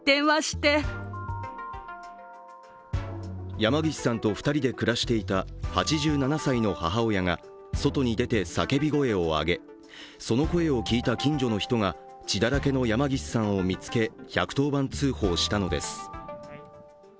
山岸さんと２人で暮らしていた８７歳の母親が外に出て叫び声を上げその声を聞いた近所の人が血だらけの山岸さんを見つけ、１１０番通報したのです。